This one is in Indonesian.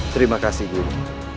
terima kasih guru